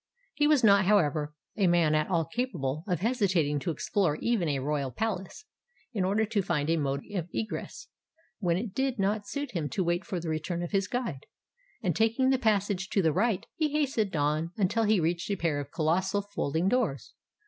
He was not, however, a man at all capable of hesitating to explore even a royal palace, in order to find a mode of egress, when it did not suit him to wait for the return of his guide: and taking the passage to the right, he hastened on until he reached a pair of colossal folding doors.